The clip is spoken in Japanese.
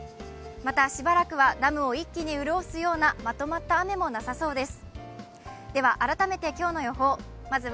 またしばらくはダムを一気に潤すようなまとまった雨もなさそうです。